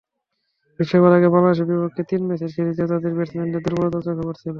বিশ্বকাপের আগে বাংলাদেশের বিপক্ষে তিন ম্যাচের সিরিজেও তাদের ব্যাটসম্যানদের দুর্বলতা চোখে পড়েছিল।